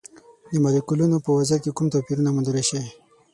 د مالیکولونو په وضعیت کې کوم توپیرونه موندلی شئ؟